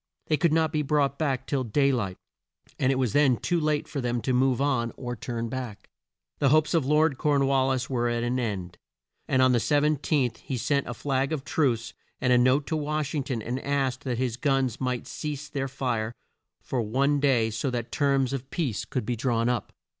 They could not be brought back till day light and it was then too late for them to move on or to turn back. The hopes of Lord Corn wal lis were at an end, and on the 17th he sent a flag of truce and a note to Wash ing ton and asked that his guns might cease their fire for one day so that terms of peace could be drawn up.